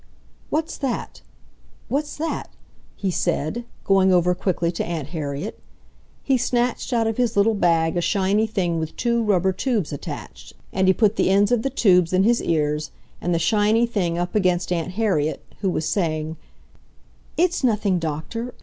"What's that? What's that?" he said, going over quickly to Aunt Harriet. He snatched out of his little bag a shiny thing with two rubber tubes attached, and he put the ends of the tubes in his ears and the shiny thing up against Aunt Harriet, who was saying, "It's nothing, Doctor